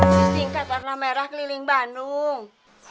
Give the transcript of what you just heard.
di tingkat warna merah keliling bandung